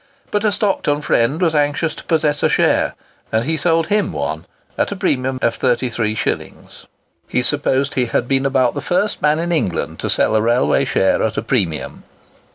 But a Stockton friend was anxious to possess a share, and he sold him one at a premium of 33s.; he supposed he had been about the first man in England to sell a railway share at a premium.